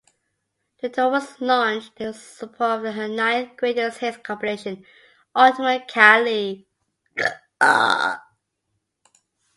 The tour was launched in support of her ninth greatest hits compilation, "Ultimate Kylie".